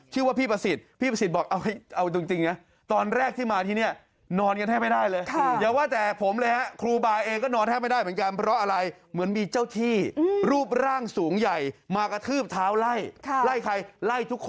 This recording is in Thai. ชื่อว่าพี่ประสิทธิ์พี่ประสิทธิ์บอก